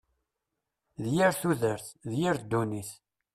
D yir tudert! D yir ddunit!